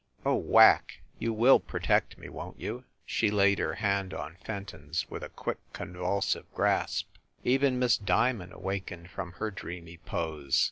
Oh, Whack, you will protect me, won t you?" She laid her hand on Fenton s with a quick, convulsive grasp. Even Miss Diamond awakened from her dreamy pose.